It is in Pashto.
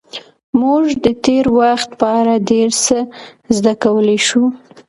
موږ د تېر وخت په اړه ډېر څه زده کولی شو.